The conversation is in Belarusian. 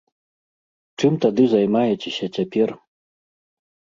Чым тады займаецеся цяпер?